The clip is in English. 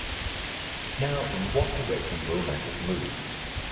Now, in what direction will matters move?